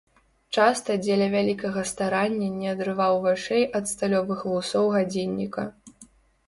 Часта дзеля вялікага старання не адрываў вачэй ад сталёвых вусоў гадзінніка.